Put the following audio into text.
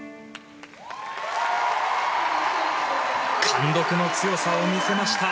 貫禄の強さを見せました。